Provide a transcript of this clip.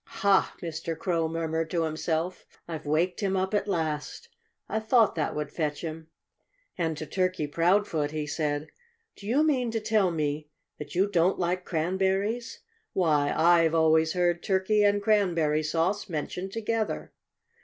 "Ha!" Mr. Crow murmured to himself. "I've waked him up at last. I thought that would fetch him." And to Turkey Proudfoot he said, "Do you mean to tell me that you don't like cranberries? Why, I've always heard Turkey and cranberry sauce mentioned together."